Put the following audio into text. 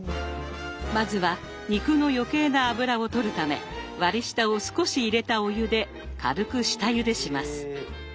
まずは肉の余計な脂を取るため割り下を少し入れたお湯で軽く下ゆでします。